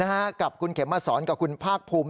กับคุณเขมมาสอนกับคุณภาคภูมิ